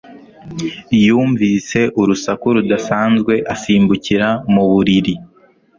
Yumvise urusaku rudasanzwe asimbukira mu buriri